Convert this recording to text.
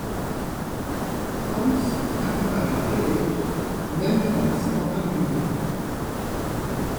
Quantz accompagne Frédéric même pendant ses campagnes militaires.